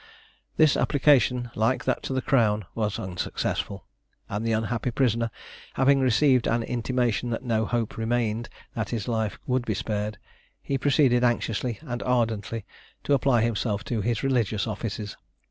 This application like that to the Crown was unsuccessful, and the unhappy prisoner having received an intimation that no hope remained that his life would be spared, he proceeded anxiously and ardently to apply himself to his religious offices.